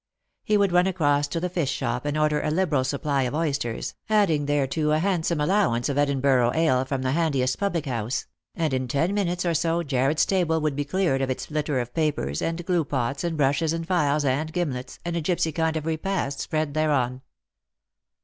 He would run across to the fish shop and order a liberal supply of oysters, adding thereto a handsome allowance of Edinburgh ale from the handiest public house ; and in ten minutes or so Jarred' s table woiild be cleared of its litter of papers and glue pots and brushes and files and gimlets, and a gipsy kind of repast spread thereon.